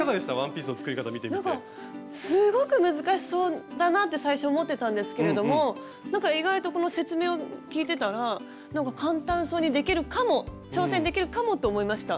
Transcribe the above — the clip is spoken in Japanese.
なんかすごく難しそうだなって最初思ってたんですけれどもなんか意外とこの説明を聞いてたら簡単そうにできるかも挑戦できるかもと思いましたはい。